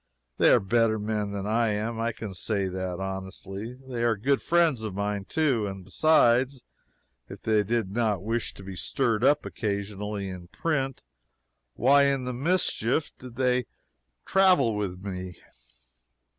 They are better men than I am; I can say that honestly; they are good friends of mine, too and besides, if they did not wish to be stirred up occasionally in print, why in the mischief did they travel with me?